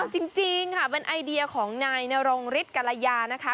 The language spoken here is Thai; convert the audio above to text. จริงค่ะเป็นไอเดียของนายนรงฤทธิกรยานะคะ